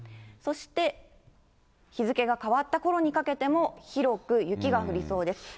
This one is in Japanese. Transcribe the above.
そして日付が変わったころにかけても、広く雪が降りそうです。